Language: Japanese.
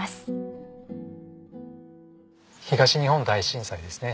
東日本大震災ですね。